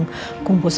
gak ada apa apa